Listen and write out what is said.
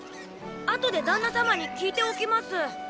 あとでダンナ様に聞いておきます。